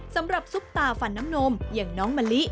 สำหรับซุปตาฝันน้ำนมอย่างน้องมะลิ